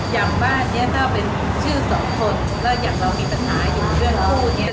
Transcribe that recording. อย่างบ้านนี้ถ้าเป็นชื่อสองคนแล้วอย่างเรามีปัญหาอย่างเรื่องคู่นี้